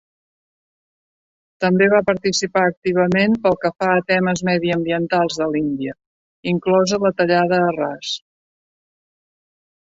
També va participar activament pel que fa a temes mediambientals de l'Índia, inclosa la tallada a ras.